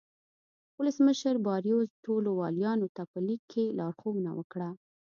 ولسمشر باریوس ټولو والیانو ته په لیک کې لارښوونه وکړه.